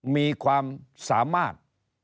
มีความสามารถ